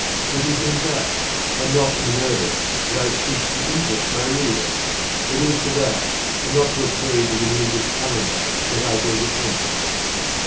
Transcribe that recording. It is in that, and not in the Murderer, that I seek to interest my reader. It is to that, and not to a page of the Newgate Calendar, that I beg attention.